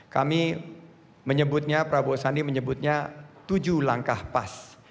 kami menyebutnya prabowo sandi menyebutnya tujuh langkah pas